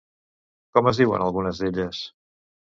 Com es diuen algunes d'elles?